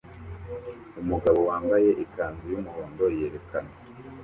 Umugabo wambaye ikanzu yumuhondo yerekana